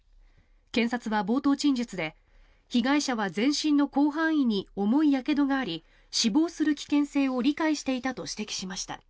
検察は冒頭陳述で被害者は全身の広範囲に重いやけどがあり死亡する危険性を理解していたと指摘しました。